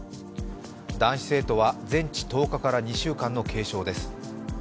男子生徒は全治１０日から２週間の軽傷です。